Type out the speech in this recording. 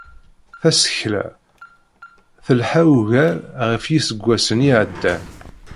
Tasekla, telḥa ugar ɣef yiseggasen iεeddan.